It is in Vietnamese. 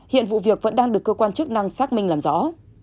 hiện vụ việc vẫn đang được cơ quan chức năng xác minh làm rõ